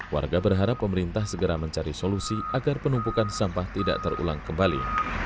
warga berharap pemerintah segera mencari solusi agar penumpukan sampah tidak terulang kembali